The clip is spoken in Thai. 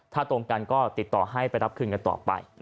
ถ้าตรงกันก็ติดต่อให้ไปรับคืนกันต่อไป